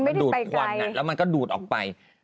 ถูกความดูดออกไป